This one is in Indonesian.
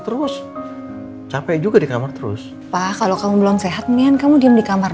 terus capek juga di kamar terus pak kalau kamu belum sehat mian kamu diem di kamar